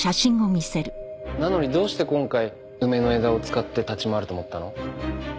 なのにどうして今回梅の枝を使って立ち回ると思ったの？